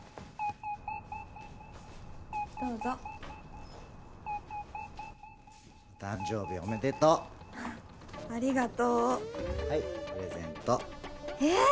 どうぞお誕生日おめでとうありがとうはいプレゼントえ！